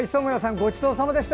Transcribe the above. ごちそうさまでした。